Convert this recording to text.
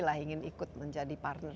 lah ingin ikut menjadi partner